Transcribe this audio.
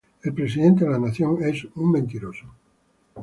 El presidente de la nación es un mentiroso.